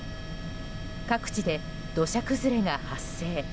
各地で土砂崩れが発生。